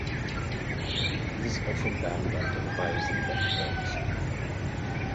This is often done by televising the event.